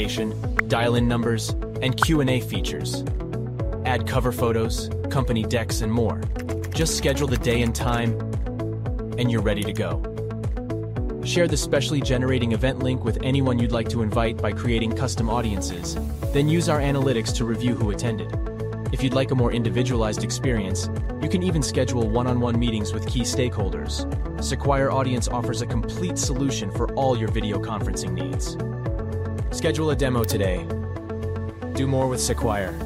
Notification, dial-in numbers, and Q&A features. Add cover photos, company decks, and more. Just schedule the day and time, and you're ready to go. Share the specially generated event link with anyone you'd like to invite by creating custom audiences, then use our analytics to review who attended. If you'd like a more individualized experience, you can even schedule one-on-one meetings with key stakeholders. Sequire Audience offers a complete solution for all your video conferencing needs. Schedule a demo today. Do more with Sequire.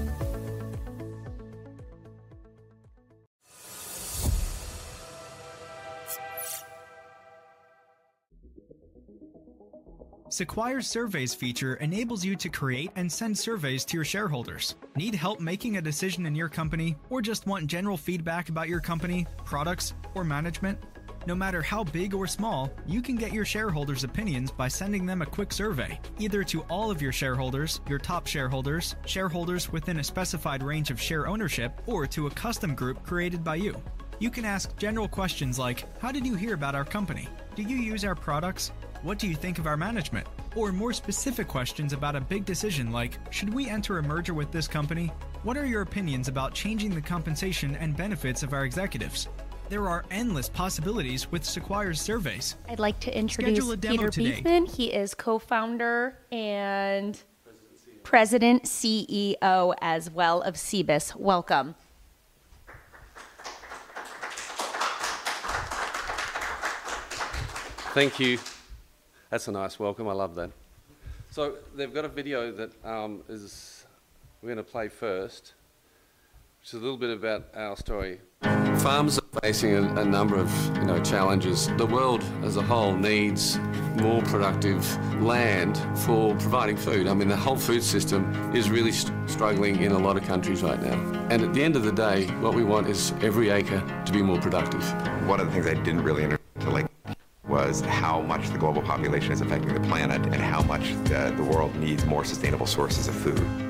Sequire's surveys feature enables you to create and send surveys to your shareholders. Need help making a decision in your company, or just want general feedback about your company, products, or management? No matter how big or small, you can get your shareholders' opinions by sending them a quick survey, either to all of your shareholders, your top shareholders, shareholders within a specified range of share ownership, or to a custom group created by you. You can ask general questions like, "How did you hear about our company? Do you use our products? What do you think of our management?" or more specific questions about a big decision like, "Should we enter a merger with this company? What are your opinions about changing the compensation and benefits of our executives?" There are endless possibilities with Sequire's surveys. I'd like to introduce Peter Beetham. Schedule a demo meeting. He is co-founder and. President. President, CEO as well of Cibus. Welcome. Thank you. That's a nice welcome. I love that, so they've got a video that we're going to play first, which is a little bit about our story. Farmers are facing a number of challenges. The world as a whole needs more productive land for providing food. I mean, the whole food system is really struggling in a lot of countries right now, and at the end of the day, what we want is every acre to be more productive. One of the things I didn't really understand was how much the global population is affecting the planet and how much the world needs more sustainable sources of food.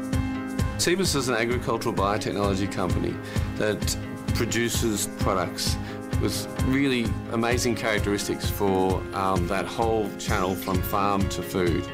Cibus is an agricultural biotechnology company that produces products with really amazing characteristics for that whole channel from farm to food.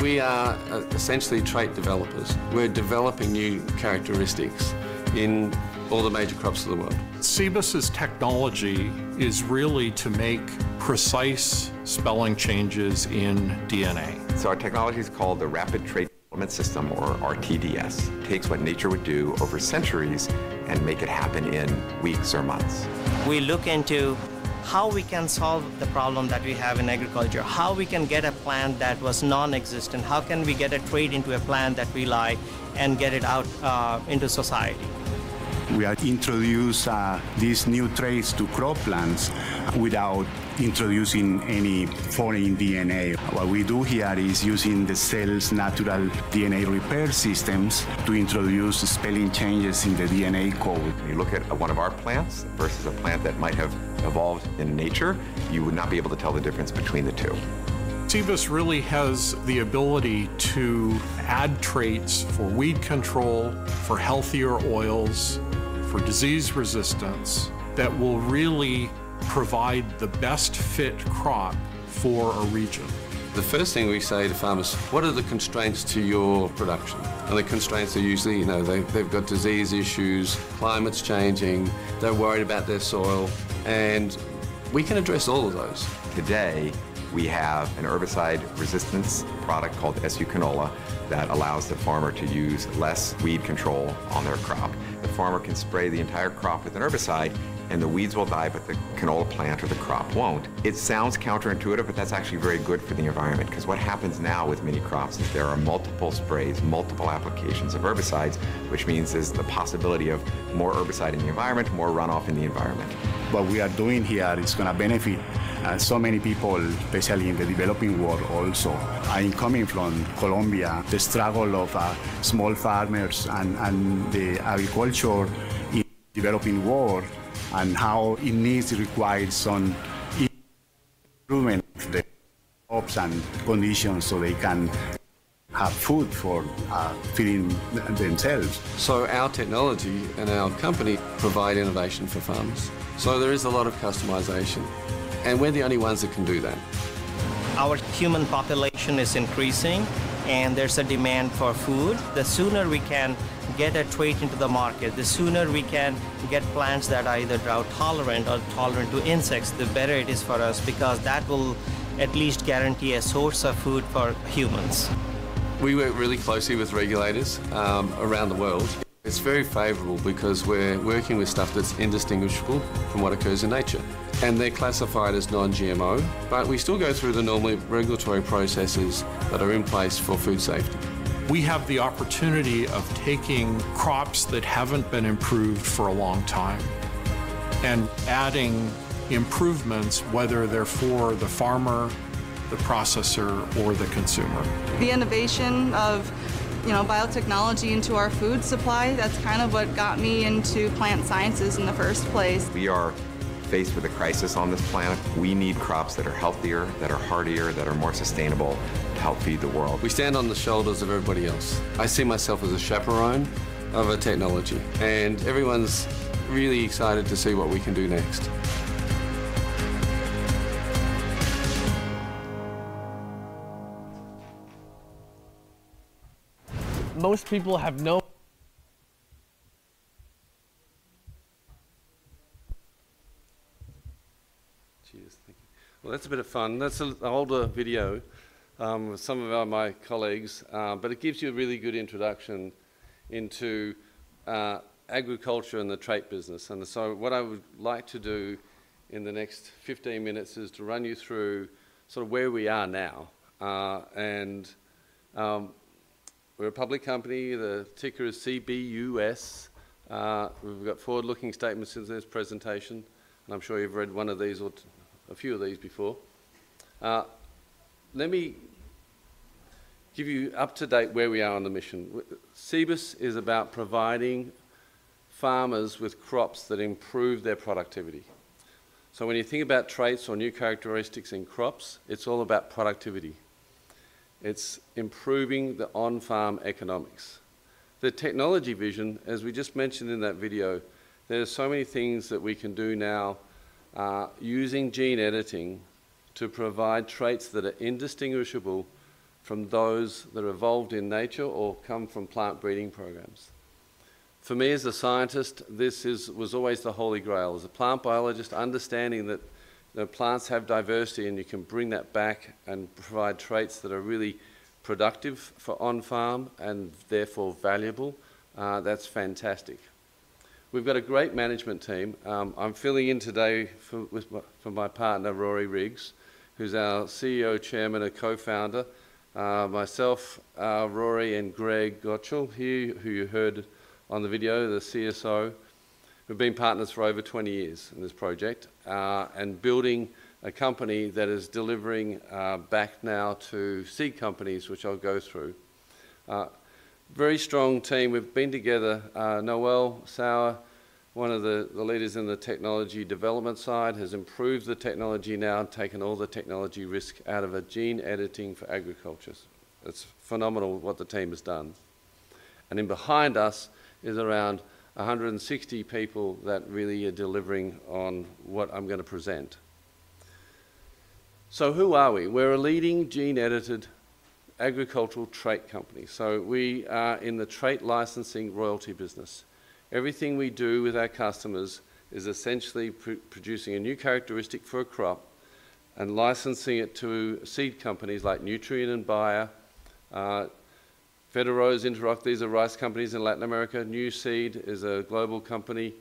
We are essentially trait developers. We're developing new characteristics in all the major crops of the world. Cibus's technology is really to make precise spelling changes in DNA. Our technology is called the Rapid Trait Development System, or RTDS. It takes what nature would do over centuries and makes it happen in weeks or months. We look into how we can solve the problem that we have in agriculture, how we can get a plant that was non-existent, how can we get a trait into a plant that we like and get it out into society. We are introducing these new traits to crop plants without introducing any foreign DNA. What we do here is using the cell's natural DNA repair systems to introduce spelling changes in the DNA code. If you look at one of our plants versus a plant that might have evolved in nature, you would not be able to tell the difference between the two. Cibus really has the ability to add traits for weed control, for healthier oils, for disease resistance that will really provide the best fit crop for a region. The first thing we say to farmers is, "What are the constraints to your production?" And the constraints are usually, you know, they've got disease issues, climate's changing, they're worried about their soil, and we can address all of those. Today, we have an herbicide resistance product called SU Canola that allows the farmer to use less weed control on their crop. The farmer can spray the entire crop with an herbicide, and the weeds will die, but the canola plant or the crop won't. It sounds counterintuitive, but that's actually very good for the environment because what happens now with many crops is there are multiple sprays, multiple applications of herbicides, which means there's the possibility of more herbicide in the environment, more runoff in the environment. What we are doing here is going to benefit so many people, especially in the developing world also. I'm coming from Colombia. The struggle of small farmers and the agriculture in developing world and how it needs to require some improvement in crops and conditions so they can have food for feeding themselves. So our technology and our company provide innovation for farmers. So there is a lot of customization, and we're the only ones that can do that. Our human population is increasing, and there's a demand for food. The sooner we can get a trait into the market, the sooner we can get plants that are either drought tolerant or tolerant to insects, the better it is for us because that will at least guarantee a source of food for humans. We work really closely with regulators around the world. It's very favorable because we're working with stuff that's indistinguishable from what occurs in nature, and they're classified as non-GMO, but we still go through the normal regulatory processes that are in place for food safety. We have the opportunity of taking crops that haven't been improved for a long time and adding improvements, whether they're for the farmer, the processor, or the consumer. The innovation of biotechnology into our food supply, that's kind of what got me into plant sciences in the first place. We are faced with a crisis on this planet. We need crops that are healthier, that are heartier, that are more sustainable to help feed the world. We stand on the shoulders of everybody else. I see myself as a chaperone of a technology, and everyone's really excited to see what we can do next. Most people have no. Well, that's a bit of fun. That's an older video with some of my colleagues, but it gives you a really good introduction into agriculture and the trait business, and so what I would like to do in the next 15 minutes is to run you through sort of where we are now, and we're a public company. The ticker is CBUS. We've got forward-looking statements since this presentation, and I'm sure you've read one of these or a few of these before. Let me give you up-to-date where we are on the mission. Cibus is about providing farmers with crops that improve their productivity, so when you think about traits or new characteristics in crops, it's all about productivity. It's improving the on-farm economics. The technology vision, as we just mentioned in that video, there are so many things that we can do now using gene editing to provide traits that are indistinguishable from those that are evolved in nature or come from plant breeding programs. For me, as a scientist, this was always the Holy Grail. As a plant biologist, understanding that the plants have diversity and you can bring that back and provide traits that are really productive for on-farm and therefore valuable, that's fantastic. We've got a great management team. I'm filling in today for my partner, Rory Riggs, who's our CEO, Chairman, and Co-founder. Myself, Rory, and Greg Gocal, who you heard on the video, the CSO, we've been partners for over 20 years in this project and building a company that is delivering back now to seed companies, which I'll go through. Very strong team. We've been together. Noel Sauer, one of the leaders in the technology development side, has improved the technology now and taken all the technology risk out of a gene editing for agriculture. It's phenomenal what the team has done. And then behind us is around 160 people that really are delivering on what I'm going to present. So who are we? We're a leading gene-edited agricultural trait company. So we are in the trait licensing royalty business. Everything we do with our customers is essentially producing a new characteristic for a crop and licensing it to seed companies like Nutrien and Bayer, Fedearroz. These are rice companies in Latin America. Nuseed is a global company.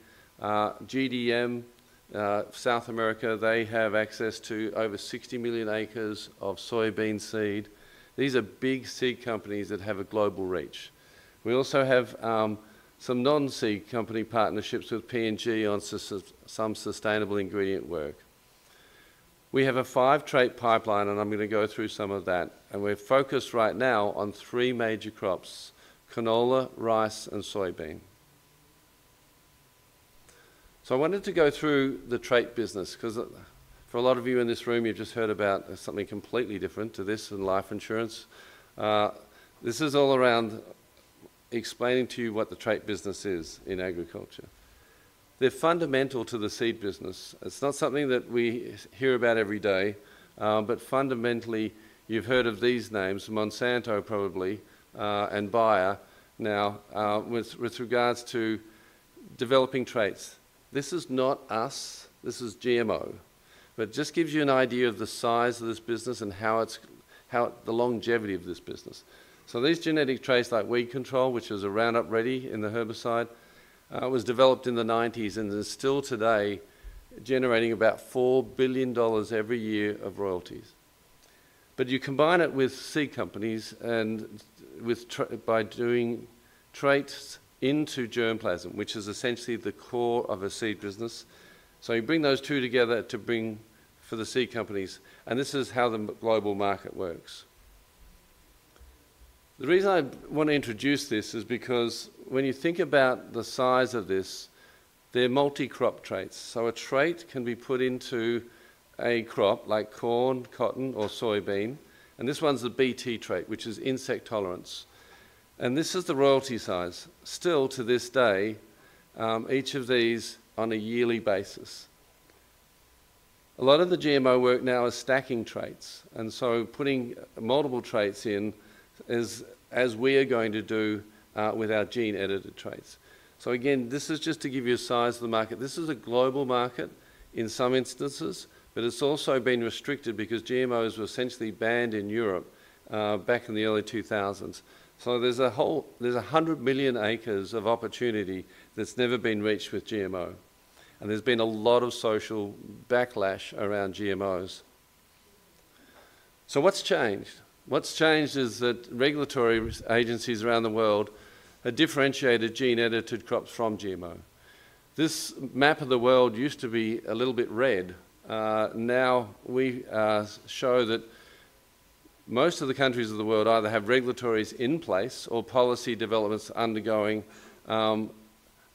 GDM South America, they have access to over 60 million acres of soybean seed. These are big seed companies that have a global reach. We also have some non-seed company partnerships with P&G on some sustainable ingredient work. We have a five-trait pipeline, and I'm going to go through some of that. We're focused right now on three major crops: canola, rice, and soybean. I wanted to go through the trait business because for a lot of you in this room, you've just heard about something completely different to this in life insurance. This is all around explaining to you what the trait business is in agriculture. They're fundamental to the seed business. It's not something that we hear about every day, but fundamentally, you've heard of these names, Monsanto probably, and Bayer. Now, with regards to developing traits, this is not us. This is GMO, but it just gives you an idea of the size of this business and the longevity of this business. So these genetic traits like weed control, which is a Roundup Ready in the herbicide, was developed in the 1990s and is still today generating about $4 billion every year of royalties. But you combine it with seed companies and by doing traits into germplasm, which is essentially the core of a seed business. So you bring those two together to bring for the seed companies. And this is how the global market works. The reason I want to introduce this is because when you think about the size of this, they're multi-crop traits. So a trait can be put into a crop like corn, cotton, or soybean. And this one's the BT trait, which is insect tolerance. And this is the royalty size. Still to this day, each of these on a yearly basis. A lot of the GMO work now is stacking traits. And so putting multiple traits in as we are going to do with our gene-edited traits. So again, this is just to give you a size of the market. This is a global market in some instances, but it's also been restricted because GMOs were essentially banned in Europe back in the early 2000s. So there's 100 million acres of opportunity that's never been reached with GMO. And there's been a lot of social backlash around GMOs. So what's changed? What's changed is that regulatory agencies around the world have differentiated gene-edited crops from GMO. This map of the world used to be a little bit red. Now we show that most of the countries of the world either have regulations in place or policy developments undergoing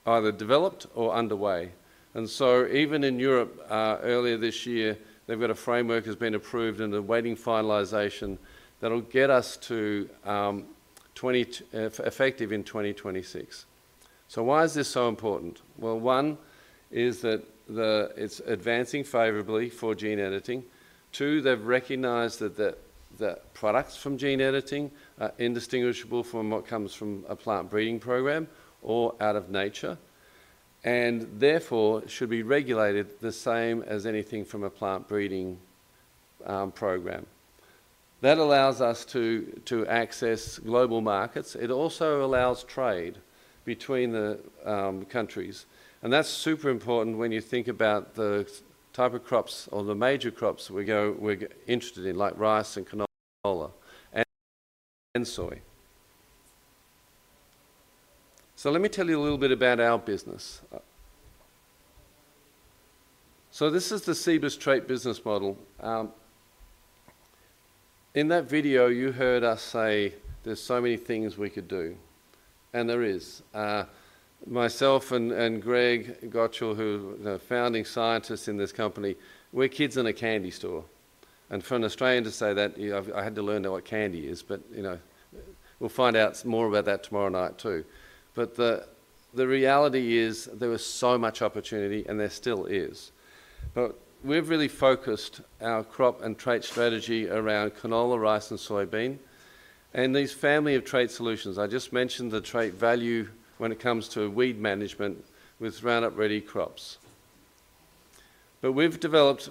either developed or underway. Even in Europe, earlier this year, they've got a framework that's been approved and awaiting finalization that'll get us effective in 2026. So why is this so important? Well, one is that it's advancing favorably for gene editing. Two, they've recognized that the products from gene editing are indistinguishable from what comes from a plant breeding program or out of nature and therefore should be regulated the same as anything from a plant breeding program. That allows us to access global markets. It also allows trade between the countries. And that's super important when you think about the type of crops or the major crops we're interested in, like rice and canola and soy. So let me tell you a little bit about our business. So this is the Cibus trait business model. In that video, you heard us say there's so many things we could do. There is. Myself and Greg Gocal, who are founding scientists in this company, we're kids in a candy store. For an Australian to say that, I had to learn what candy is, but we'll find out more about that tomorrow night too. The reality is there was so much opportunity and there still is. We've really focused our crop and trait strategy around canola, rice, and soybean. These family of trait solutions, I just mentioned the trait value when it comes to weed management with Roundup Ready crops. We've developed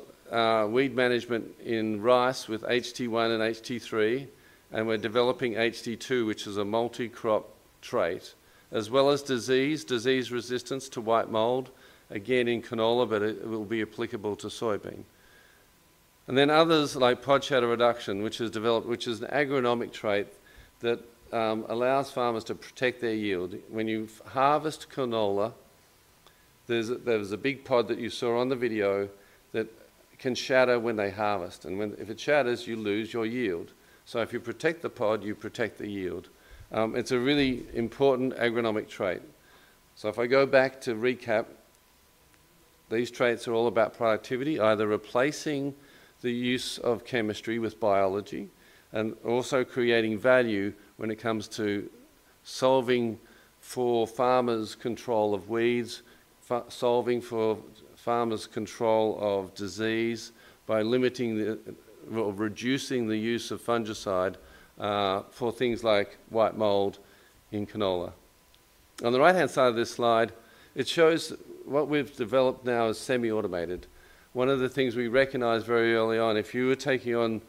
weed management in rice with HT1 and HT3, and we're developing HT2, which is a multi-crop trait, as well as disease, disease resistance to white mold, again in canola, but it will be applicable to soybean. Then others like pod shatter reduction, which is an agronomic trait that allows farmers to protect their yield. When you harvest canola, there's a big pod that you saw on the video that can shatter when they harvest. And if it shatters, you lose your yield. So if you protect the pod, you protect the yield. It's a really important agronomic trait. So if I go back to recap, these traits are all about productivity, either replacing the use of chemistry with biology and also creating value when it comes to solving for farmers' control of weeds, solving for farmers' control of disease by limiting or reducing the use of fungicide for things like white mold in canola. On the right-hand side of this slide, it shows what we've developed now is semi-automated. One of the things we recognized very early on, if you were taking on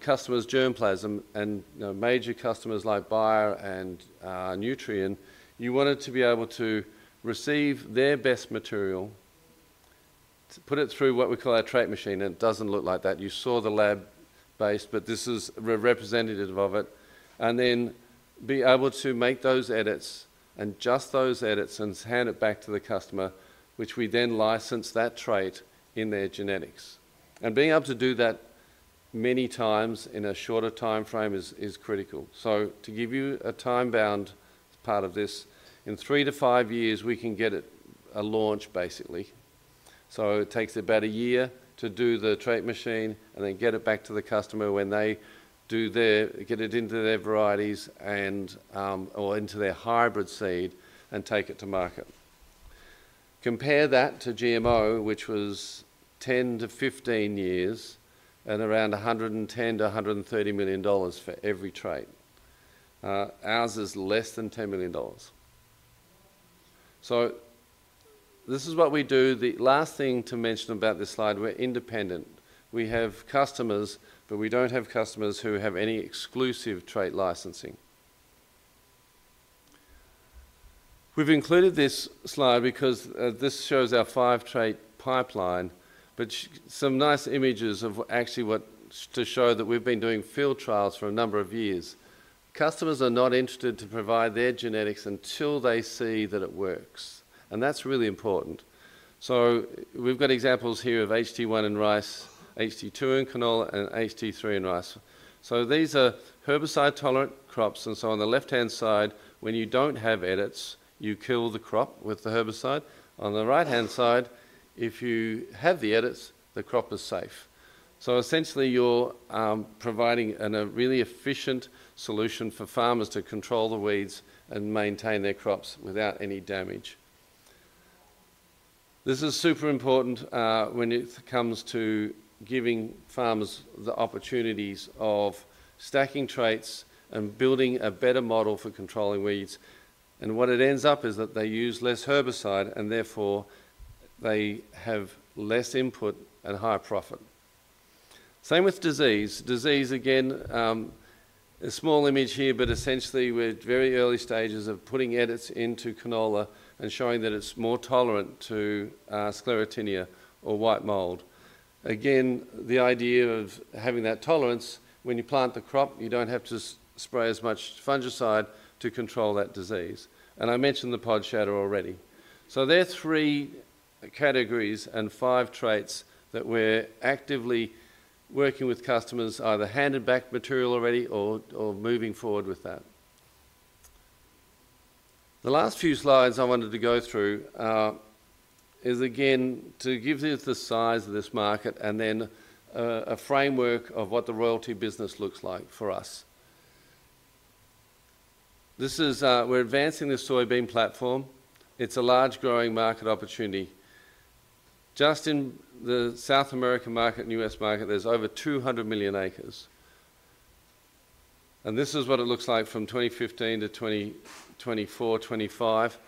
customers' germplasm and major customers like Bayer and Nutrien, you wanted to be able to receive their best material, put it through what we call our Trait Machine. It doesn't look like that. You saw the lab base, but this is representative of it. And then be able to make those edits and adjust those edits and hand it back to the customer, which we then license that trait in their genetics. And being able to do that many times in a shorter timeframe is critical. So to give you a time-bound part of this, in three to five years, we can get it launched, basically. So it takes about a year to do the trait machine and then get it back to the customer when they get it into their varieties or into their hybrid seed and take it to market. Compare that to GMO, which was 10-15 years and around $110 million-$130 million for every trait. Ours is less than $10 million. So this is what we do. The last thing to mention about this slide, we're independent. We have customers, but we don't have customers who have any exclusive trait licensing. We've included this slide because this shows our five-trait pipeline, but some nice images of actually what to show that we've been doing field trials for a number of years. Customers are not interested to provide their genetics until they see that it works. And that's really important. So we've got examples here of HT1 in rice, HT2 in canola, and HT3 in rice. So these are herbicide-tolerant crops. And so on the left-hand side, when you don't have edits, you kill the crop with the herbicide. On the right-hand side, if you have the edits, the crop is safe. So essentially, you're providing a really efficient solution for farmers to control the weeds and maintain their crops without any damage. This is super important when it comes to giving farmers the opportunities of stacking traits and building a better model for controlling weeds. And what it ends up is that they use less herbicide and therefore they have less input and higher profit. Same with disease. Disease, again, a small image here, but essentially, we're at very early stages of putting edits into canola and showing that it's more tolerant to Sclerotinia or white mold. Again, the idea of having that tolerance, when you plant the crop, you don't have to spray as much fungicide to control that disease, and I mentioned the pod shatter already, so there are three categories and five traits that we're actively working with customers, either handed back material already or moving forward with that. The last few slides I wanted to go through is, again, to give you the size of this market and then a framework of what the royalty business looks like for us. We're advancing the soybean platform. It's a large-growing market opportunity. Just in the South American market and U.S. market, there's over 200 million acres, and this is what it looks like from 2015 to 2024, 2025.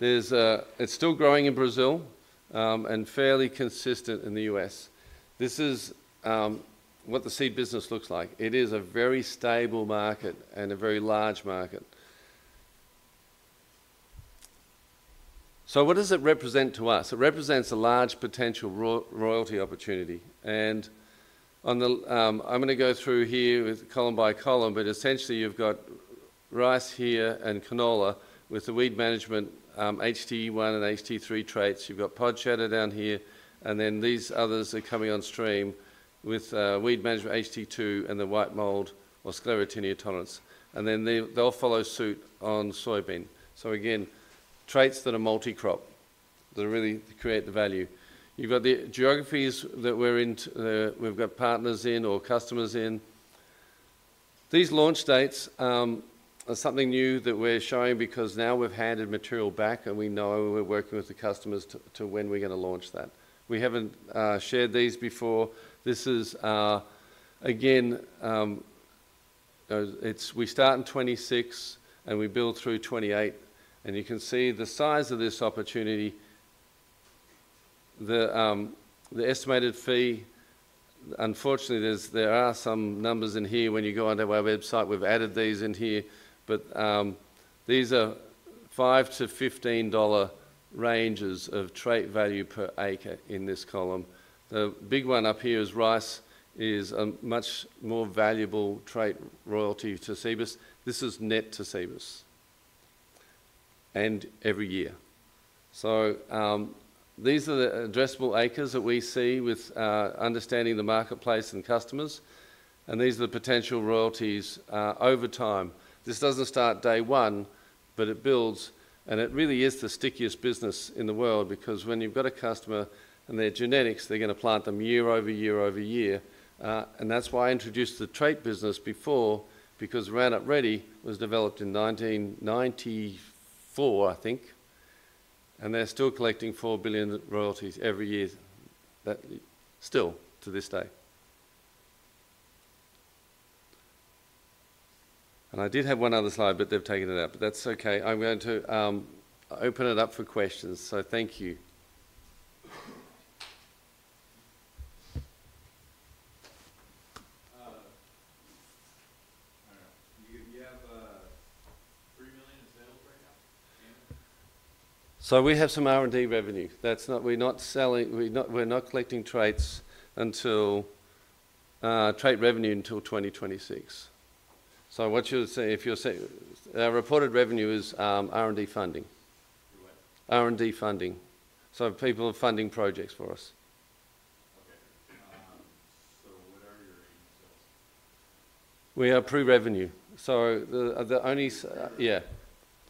It's still growing in Brazil and fairly consistent in the U.S. This is what the seed business looks like. It is a very stable market and a very large market, so what does it represent to us? It represents a large potential royalty opportunity, and I'm going to go through here with column by column, but essentially, you've got rice here and canola with the weed management HT1 and HT3 traits. You've got pod shatter down here, and then these others are coming on stream with weed management HT2 and the white mold or Sclerotinia tolerance, and then they'll follow suit on soybean, so again, traits that are multi-crop that really create the value. You've got the geographies that we've got partners in or customers in. These launch dates are something new that we're showing because now we've handed material back and we know we're working with the customers to when we're going to launch that. We haven't shared these before. This is, again, we start in 2026 and we build through 2028. And you can see the size of this opportunity. The estimated fee, unfortunately, there are some numbers in here when you go onto our website. We've added these in here. But these are $5-$15 ranges of trait value per acre in this column. The big one up here is rice is a much more valuable trait royalty to Cibus. This is net to Cibus and every year. So these are the addressable acres that we see with understanding the marketplace and customers. And these are the potential royalties over time. This doesn't start day one, but it builds. And it really is the stickiest business in the world because when you've got a customer and their genetics, they're going to plant them year-over-year-over-year. And that's why I introduced the trait business before because Roundup Ready was developed in 1994, I think. And they're still collecting $4 billion royalties every year still to this day. And I did have one other slide, but they've taken it out. But that's okay. I'm going to open it up for questions. So thank you. All right. You have $3 million in sales right now? So we have some R&D revenue. We're not collecting traits trait revenue until 2026. So what you're saying, our reported revenue is R&D funding. R&D funding. So people are funding projects for us. [inaudible audio] We are pre-revenue. So the only yeah.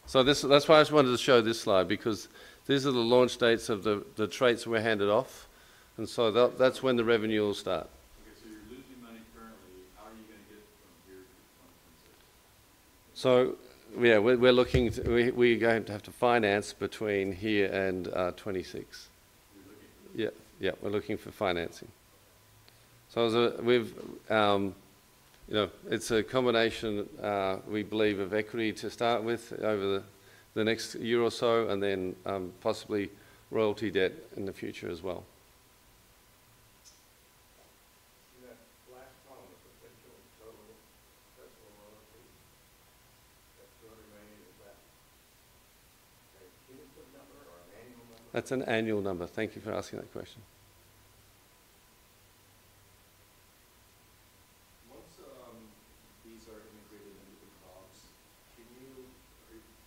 So that's why I just wanted to show this slide because these are the launch dates of the traits we're handed off. And so that's when the revenue will start. Okay. So you're losing money currently. How are you going to get from here to 2026? So yeah, we're going to have to finance between here and 2026. You're looking for this? Yeah. Yeah. We're looking for financing. So it's a combination, we believe, of equity to start with over the next year or so and then possibly royalty debt in the future as well. You have last column, the potential total royalty. That's the remaining investment. Can you put a number or an annual number? That's an annual number. Thank you for asking that question. Once these are integrated into the COGS,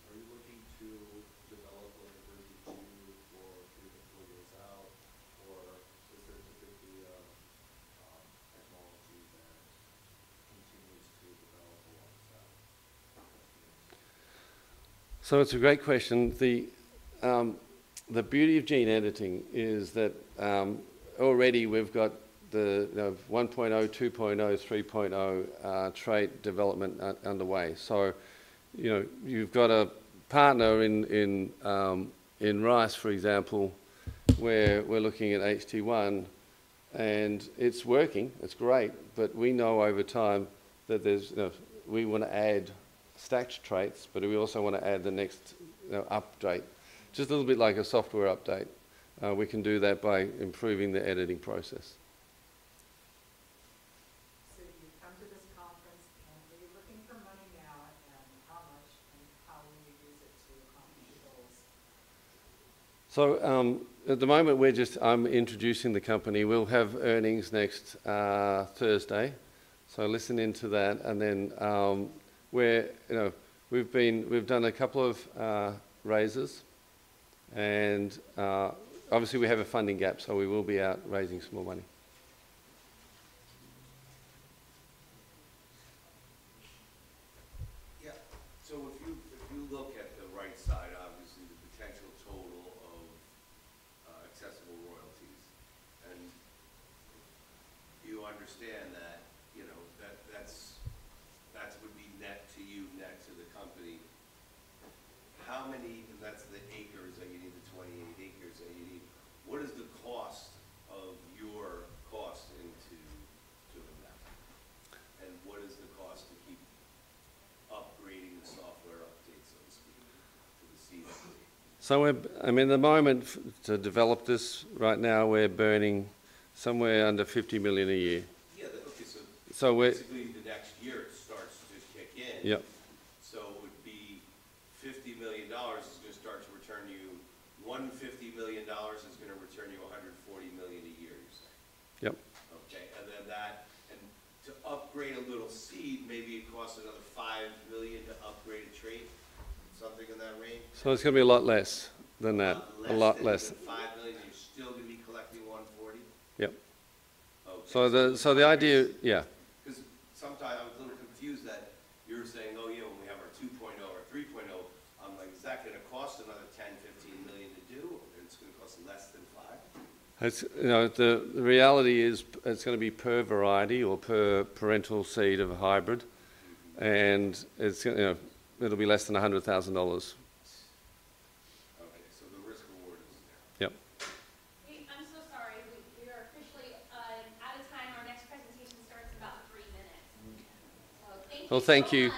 are you looking to develop whatever you do for three to four years out, or is there typically a technology that continues to develop alongside? So it's a great question. The beauty of gene editing is that already we've got the 1.0, 2.0, 3.0 trait development underway. You've got a partner in rice, for example, where we're looking at HT1, and it's working. It's great. But we know over time that we want to add stacked traits, but we also want to add the next update. Just a little bit like a software update. We can do that by improving the editing process. So you've come to this conference, and are you looking for money now, and how much, and how will you use it to accomplish your goals? At the moment, I'm introducing the company. We'll have earnings next Thursday. So listen into that. And then we've done a couple of raises. And obviously, we have a funding gap, so we will be out raising some more money. Yeah. So if you look at the right side, obviously, the potential total of accessible royalties, and you understand that that would be net to you, net to the company, how many—and that's the acres that you need, the 28 acres that you need—what is the cost of your cost into doing that? And what is the cost to keep upgrading the software updates, so to speak, to the CSC? So I mean, at the moment, to develop this right now, we're burning somewhere under $50 million a year. Yeah. That would be so. Basically, the next year starts to kick in. So it would be $50 million is going to start to return you $150 million is going to return you $140 million a year, you're saying. Yep. Okay. And then that, and to upgrade a little seed, maybe it costs another $5 million to upgrade a trait, something in that range? So it's going to be a lot less than that. A lot less. A lot less. So $5 million, you're still going to be collecting $140? Yep. Okay. So the idea, yeah. Because sometimes I was a little confused that you were saying, "Oh, yeah, when we have our 2.0 or 3.0, I'm like, is that going to cost another $10 million-$15 million to do, or it's going to cost less than $5 million?" The reality is it's going to be per variety or per parental seed of a hybrid. And it'll be less than $100,000. Okay. So the risk reward is there. Yep. I'm so sorry. We are officially out of time. Our next presentation starts in about three minutes. So thank you, well, thank you.